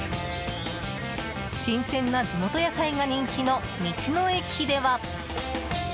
新鮮な地元野菜が人気の道の駅では。